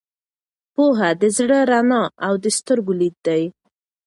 پوهه د زړه رڼا او د سترګو لید دی.